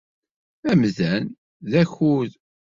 Amdan, d akud.